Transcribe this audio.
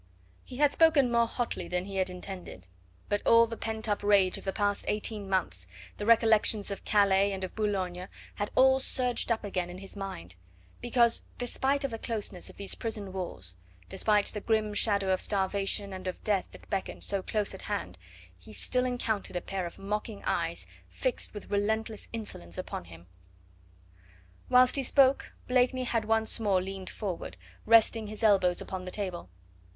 He had spoken more hotly than he had intended, but all the pent up rage of the past eighteen months, the recollections of Calais and of Boulogne, had all surged up again in his mind, because despite the closeness of these prison walls, despite the grim shadow of starvation and of death that beckoned so close at hand, he still encountered a pair of mocking eyes, fixed with relentless insolence upon him. Whilst he spoke Blakeney had once more leaned forward, resting his elbows upon the table.